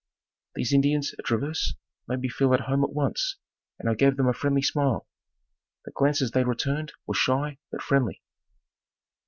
These Indians at Traverse made me feel at home at once and I gave them a friendly smile. The glances they returned were shy, but friendly.